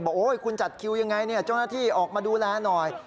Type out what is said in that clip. โอ๊ยคุณจัดคิวยังไงเจ้าหน้าที่ออกมาดูแลหน่อย